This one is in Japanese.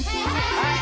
はい！